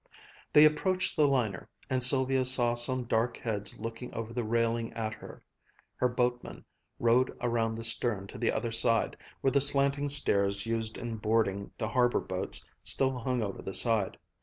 They approached the liner, and Sylvia saw some dark heads looking over the railing at her. Her boatman rowed around the stern to the other side, where the slanting stairs used in boarding the harbor boats still hung over the side.